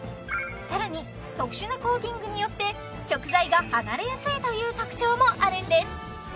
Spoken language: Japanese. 更に特殊なコーティングによって食材が離れやすいという特徴もあるんです